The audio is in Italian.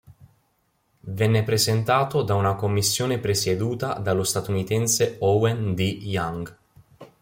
Venne presentato da una commissione presieduta dallo statunitense Owen D. Young.